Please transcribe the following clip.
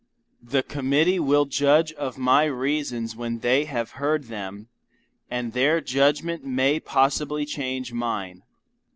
The Committee will judge of my reasons when they have heard them, and their judgment may possibly change mine.